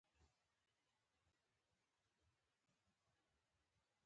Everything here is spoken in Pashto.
د مختلفو محورونو کې ډلبندي شوي دي.